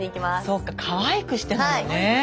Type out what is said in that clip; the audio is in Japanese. そうかかわいくしてなのね。